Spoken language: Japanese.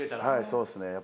はいそうですね。